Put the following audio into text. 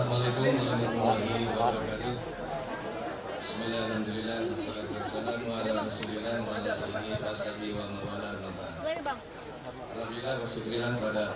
assalamualaikum warahmatullahi wabarakatuh